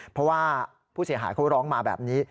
เพราะว่าผู้เสียหายเขาร้องมาแบบนี้